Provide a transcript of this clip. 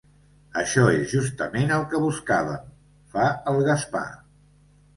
Això és justament el que buscàvem —fa el Gaspar.